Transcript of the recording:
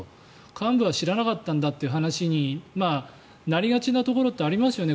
幹部は知らなかったんだという話になりがちなところってありますよね。